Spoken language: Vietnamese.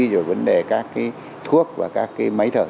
rồi vấn đề các cái thuốc và các cái máy thở